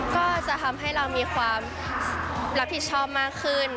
ก็จะทำให้เรามีความรับผิดชอบมากขึ้น